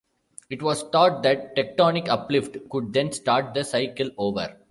It was thought that tectonic uplift could then start the cycle over.